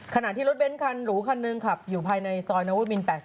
ขณะที่รถเน้นคันหรูคันหนึ่งขับอยู่ภายในซอยนวุฒมิน๘๐